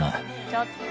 ちょーっと！